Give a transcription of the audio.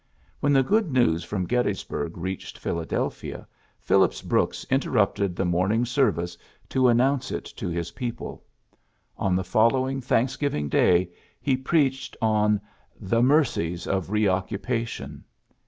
When the good news from Gettysburg reached Philadelphia, Phillips Brooks interrupted the morning service to an PHILLIPS BROOKS 29 nouuce it to his people. On the follow ing Thanksgiving Day he i)reached on ^^The Mercies of Reoccupation.